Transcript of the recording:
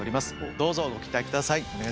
どうぞご期待下さい。